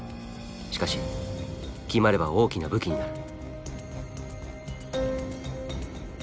しかし決まれば大きな武器になる。